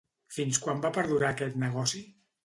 Fins quan va perdurar aquest negoci?